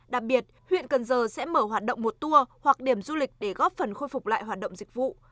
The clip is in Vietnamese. đặc biệt huyện cần giờ sẽ mở hoạt động một tour hoặc điểm du lịch để góp phần khôi phục lại hoạt động dịch vụ